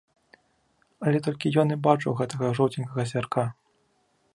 Але толькі ён і бачыў гэтага жоўценькага звярка.